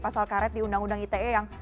pasal karet di undang undang ite yang